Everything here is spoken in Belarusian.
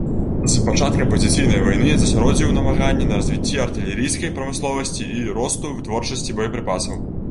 З пачаткам пазіцыйнай вайны засяродзіў намаганні на развіцці артылерыйскай прамысловасці і росту вытворчасці боепрыпасаў.